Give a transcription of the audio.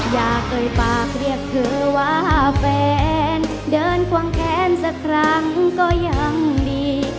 เอ่ยปากเรียกเธอว่าแฟนเดินควางแค้นสักครั้งก็ยังดี